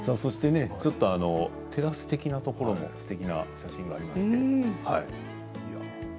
テラス的なところもすてきな写真がありますね。